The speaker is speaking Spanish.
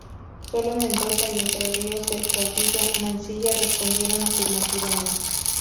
Solo Mendoza y Entre Ríos, del caudillo Mansilla, respondieron afirmativamente.